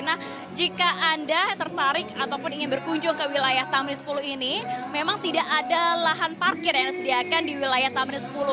nah jika anda tertarik ataupun ingin berkunjung ke wilayah tamrin sepuluh ini memang tidak ada lahan parkir yang disediakan di wilayah tamrin sepuluh